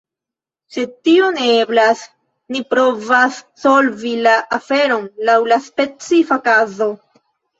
Se tio ne eblas, ni provas solvi la aferon laŭ la specifa kazo.